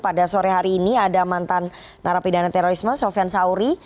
pada sore hari ini ada mantan narapidana terorisme sofyan sauri